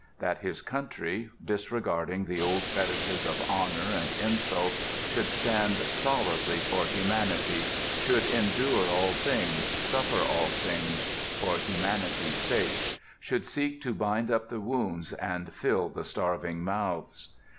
That his country, disregarding the old fetishes of honour and insult, should stand solidly for humanity; should endure all things, suffer all things, for humanity's sake; should seek to bind up the wounds and fill the starving mouths.